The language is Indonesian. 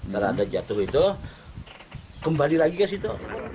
karena ada jatuh itu kembali lagi ke situ